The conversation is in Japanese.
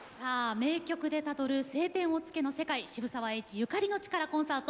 「名曲でたどる『青天を衝け』の世界渋沢栄一ゆかりの地からコンサート」